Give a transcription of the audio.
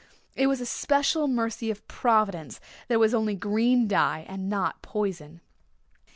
It was a special mercy of Providence that it was only green dye and not poison."